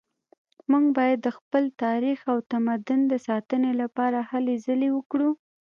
موږ باید د خپل تاریخ او تمدن د ساتنې لپاره هلې ځلې وکړو